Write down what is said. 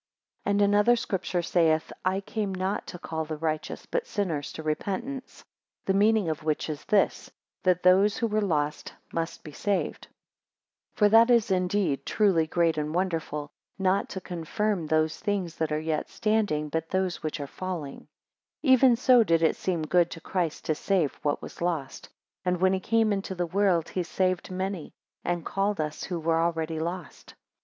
5 And another Scripture saith, I came not to call the righteous but sinners (to repentance). The meaning of which is this; that those who were lost must be saved: 6 For that is, indeed, truly great and wonderful, not to confirm those things that are yet standing, but those which are falling, 7 Even so did it seem good to Christ to save what was lost; and when he came into the world, he saved many, and called us who were already lost.